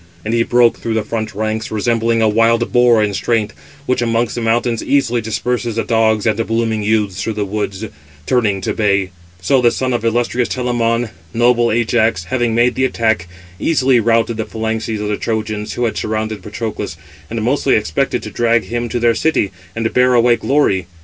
And he broke through the front ranks, resembling a wild boar in strength, which amongst the mountains easily disperses the dogs and blooming youths through the woods, turning to bay; so the son of illustrious Telamon, noble Ajax, having made the attack, easily routed the phalanxes of the Trojans who had surrounded Patroclus, and mostly expected to drag him to their city, and bear away glory.